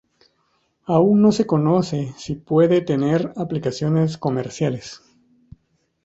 Aún no se conoce si puede tener aplicaciones comerciales.